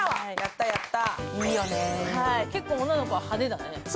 結構女の子が派手だよね。